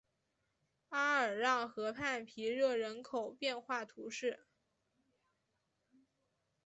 阿尔让河畔皮热人口变化图示